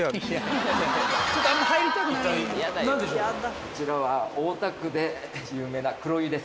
こちら大田区で有名な黒湯です。